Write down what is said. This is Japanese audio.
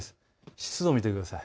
湿度を見てください。